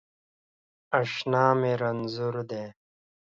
اشنا می رنځور دی